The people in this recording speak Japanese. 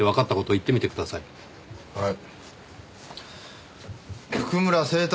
はい。